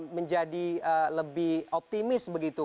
menjadi lebih optimis begitu